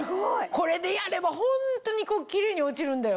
これでやればホントにキレイに落ちるんだよ。